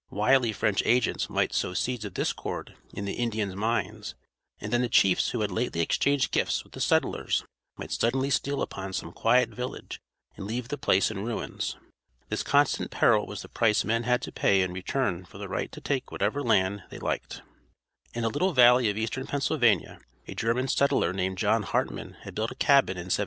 Wily French agents might sow seeds of discord in the Indians' minds, and then the chiefs who had lately exchanged gifts with the settlers might suddenly steal upon some quiet village and leave the place in ruins. This constant peril was the price men had to pay in return for the right to take whatever land they liked. In a little valley of eastern Pennsylvania a German settler named John Hartman had built a cabin in 1754.